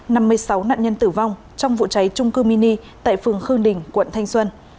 năm mươi sáu nạn nhân tử vong trong vụ cháy trung cư mini tại phường khương đình quận thanh xuân